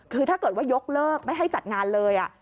คือถ้าเกิดว่ายกเลิกไม่ให้จัดงานเลย